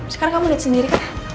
sekarang kamu liat sendiri